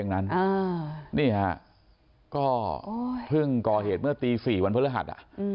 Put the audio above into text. นี่ฮะก็เพิ่งก่อเหตุเมื่อตี๔วันพฤหัส